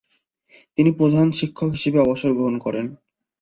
তিনি প্রধানশিক্ষক হিসাবে অবসর গ্রহণ করেন।